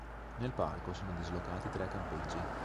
Nel parco sono dislocati tre campeggi.